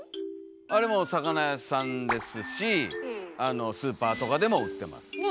あれも魚屋さんですしあのスーパーとかでも売ってます。